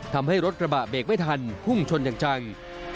ทำให้รถกระบะเบรกไม่ทันพุ่งชนอย่างจัง